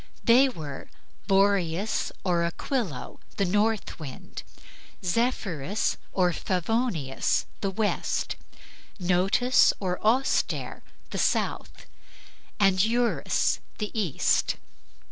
They were Boreas or Aquilo, the north wind; Zephyrus or Favonius, the west; Notus or Auster, the south; and Eurus, the east.